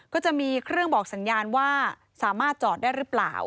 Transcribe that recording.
ก็จะมีเครื่องบอกสัญญาณว่าสามารถจอดได้หรือเปล่า